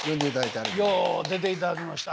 よう出ていただきまして。